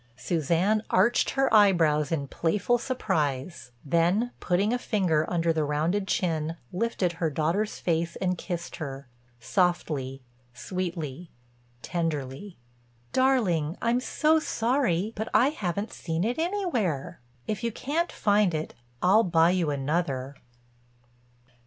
Suzanne arched her eyebrows in playful surprise, then putting a finger under the rounded chin, lifted her daughter's face and kissed her, softly, sweetly, tenderly. "Darling, I'm so sorry, but I haven't seen it anywhere. If you can't find it I'll buy you another."